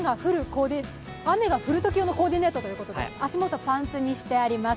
雨が降るとき用のコーディネートということで、足元はパンツにしてあります。